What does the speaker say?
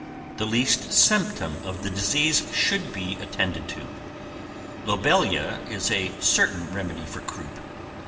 The least symptom of the disease should be attended to. Lobelia is a certain remedy for croup.